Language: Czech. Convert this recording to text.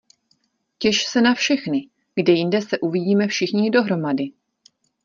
Těš se na všechny, kde jinde se uvidíme všichni dohromady?